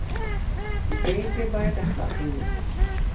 پرېکړې باید اخلاقي وي